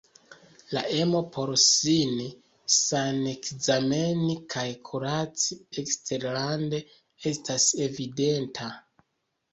La emo por sin sanekzameni kaj kuraci eksterlande estas evidenta.